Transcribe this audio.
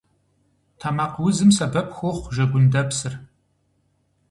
Тэмакъ узым сэбэп хуохъу жэгундэпсыр.